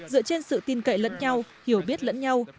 dựa trên sự tin cậy lẫn nhau hiểu biết lẫn nhau